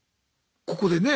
ここでねえ